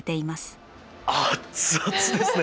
熱々ですね。